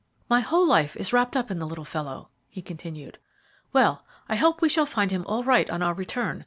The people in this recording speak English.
"My whole life is wrapped up in the little fellow," he continued. "Well, I hope we shall find him all right on our return.